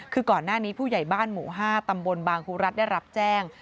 คือก่อนหน้านี้ผู้ใหญ่บ้านหมู่๕ตำบลบางครูรัฐได้รับแจ้ง